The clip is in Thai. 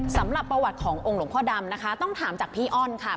สำหรับประวัติขององค์หลวงพ่อดำนะคะต้องถามจากพี่อ้อนค่ะ